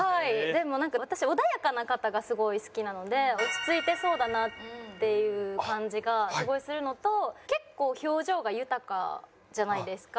でもなんか私穏やかな方がすごい好きなので落ち着いてそうだなっていう感じがすごいするのと結構表情が豊かじゃないですか。